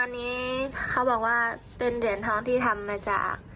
อันนี้เขาบอกว่าเป็นเหรียญทองที่ทำมาจาก